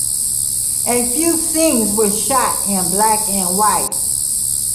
A few scenes were shot in black and white.